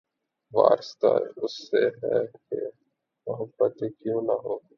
وارستہ اس سے ہیں کہ‘ محبت ہی کیوں نہ ہو